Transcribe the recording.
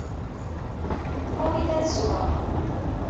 Awi-d ad sweɣ!